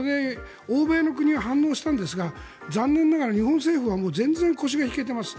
欧米の国は反応したんですが残念ながら日本政府は全然腰が引けています。